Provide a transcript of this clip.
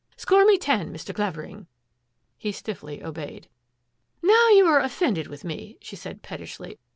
" Score me ten, Mr. Clavering." He stiffly obeyed. " Now you are offended with me," she said pet tishly.